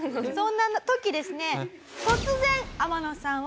そんな時ですね